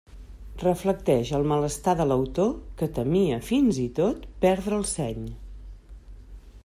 Reflecteix el malestar de l'autor, que temia, fins i tot, perdre el seny.